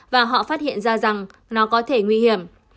và họ phát hiện ra rằng nó có thể nguy hiểm